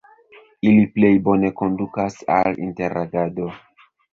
Ili plej bone kondukas al interagado.